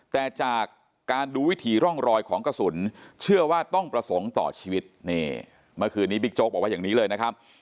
แต่จากการดูวิถีร่องรอยของกระสุนเชื่อว่าต้องประสงค์ต่อชีวิตนี่เมื่อคืนนี้บิ๊กโจ๊กบอกว่าอย่างนี้เลยนะครับ